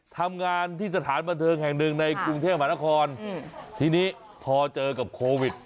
ทำงานที่สถานบันเทิงแห่งหนึ่งในกรุงเทพมหานครทีนี้พอเจอกับโควิด